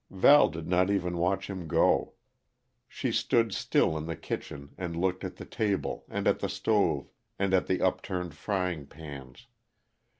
Val did not even watch him go. She stood still in the kitchen and looked at the table, and at the stove, and at the upturned frying pans.